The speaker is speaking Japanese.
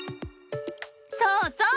そうそう！